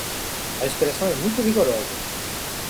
A expressão é muito rigorosa